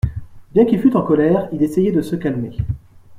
Bien qu’il fût en colère, il essayait de se calmer.